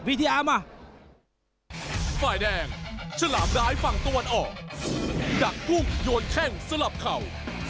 วิทยามา